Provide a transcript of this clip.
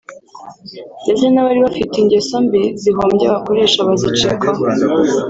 ndetse n’abari bafite ingeso mbi zihombya abakoresha bazicikaho